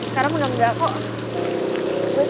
sekarang udah mendakuk